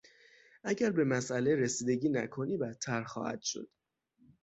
اگر به مسئله رسیدگی نکنی، بدتر خواهد شد.